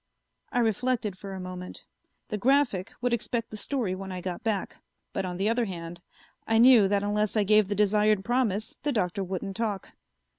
I reflected for a moment. The Graphic would expect the story when I got back, but on the other hand I knew that unless I gave the desired promise, the Doctor wouldn't talk.